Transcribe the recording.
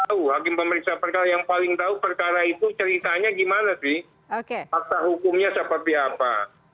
hakim pemeriksa perkara yang paling tahu perkaranya itu ceritanya bagaimana fakta hukumnya seperti apa